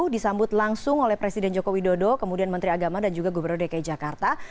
disambut langsung oleh presiden joko widodo kemudian menteri agama dan juga gubernur dki jakarta